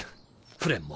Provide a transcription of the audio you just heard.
フレンも。